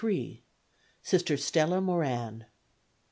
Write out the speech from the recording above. Sister Stella Moran.